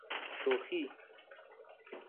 شوخي.